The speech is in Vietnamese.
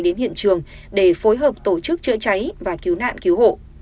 đến hiện trường để phối hợp tổ chức chữa cháy và cứu nạn cứu hộ